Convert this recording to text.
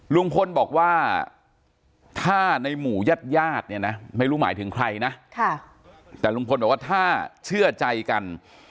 ลุงพลบอกว่าถ้าในหมู่ญาติญาติเนี่ยนะไม่รู้หมายถึงใครนะแต่ลุงพลบอกว่าถ้าเชื่อใจกัน